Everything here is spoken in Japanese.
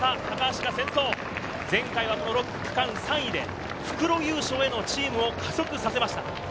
高橋が先頭、前回はこの６区間３位で復路優勝へのチームを加速させました。